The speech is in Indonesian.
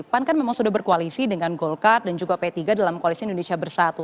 pan kan memang sudah berkoalisi dengan golkar dan juga p tiga dalam koalisi indonesia bersatu